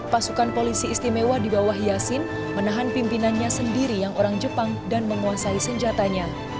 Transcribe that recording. pasukan polisi istimewa di bawah yasin menahan pimpinannya sendiri yang orang jepang dan menguasai senjatanya